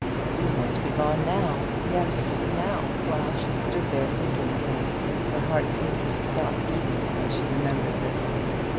He might be gone now, yes, now, while she stood there thinking of him. Her heart seemed to stop beating as she remembered this.